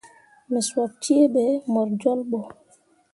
Me sop cee ɓe mor jolɓo.